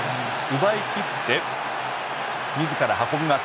奪いきってみずから運びます。